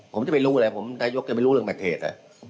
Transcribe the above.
ผมจะไปรู้อะไรผมจะยกไปรู้เรื่องแบบเหตุอะ